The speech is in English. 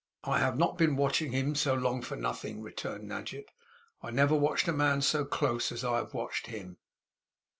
'I have not been watching him so long for nothing,' returned Nadgett. 'I never watched a man so close as I have watched him.